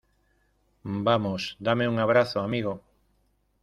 vamos, dame un abrazo , amigo.